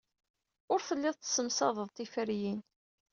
Ur telliḍ tessemsadeḍ tiferyin.